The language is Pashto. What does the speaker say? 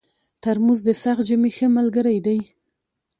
ترموز د سخت ژمي ښه ملګری دی.